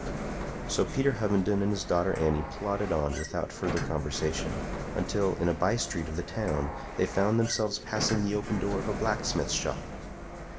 So Peter Hovenden and his daughter Annie plodded on without further conversation, until in a by street of the town they found themselves passing the open door of a blacksmith's shop.